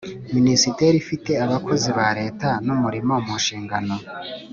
Minisiteri ifite abakozi ba Leta n umurimo mu nshingano